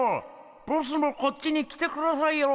ボスもこっちに来てくださいよ。